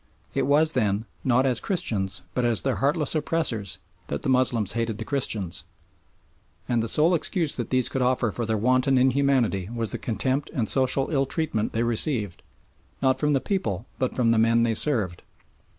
It was, then, not as Christians but as their heartless oppressors that the Moslems hated the Christians, and the sole excuse that these could offer for their wanton inhumanity was the contempt and social ill treatment they received, not from the people but from the men they served.